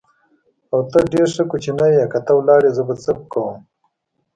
او، ته ډېر ښه کوچنی یې، که ته ولاړې زه به څه کوم؟